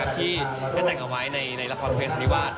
ที่ได้แต่งเอาไว้ในละครเพศนิวาส